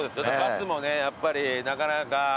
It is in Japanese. バスもねやっぱりなかなか。